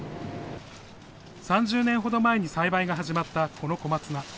３０年ほど前に栽培が始まったこの小松菜。